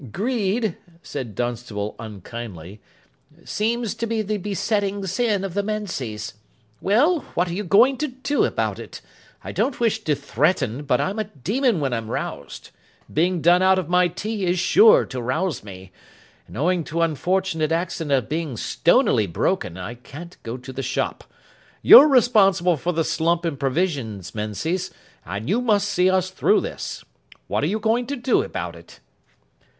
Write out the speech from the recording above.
"Greed," said Dunstable unkindly, "seems to be the besetting sin of the Menzies'. Well, what are you going to do about it? I don't wish to threaten, but I'm a demon when I'm roused. Being done out of my tea is sure to rouse me. And owing to unfortunate accident of being stonily broken, I can't go to the shop. You're responsible for the slump in provisions, Menzies, and you must see us through this. What are you going to do about it?"